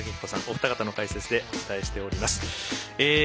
お二方の解説でお伝えしています。